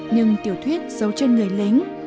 nhưng tiểu thuyết dấu chân người lính